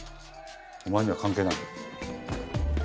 お前には関係ない。